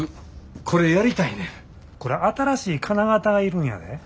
これ新しい金型が要るんやで。